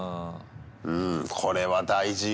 うんこれは大事よ。